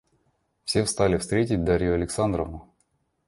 Все встали встретить Дарью Александровну.